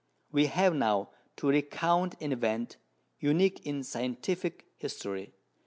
We have now to recount an event unique in scientific history.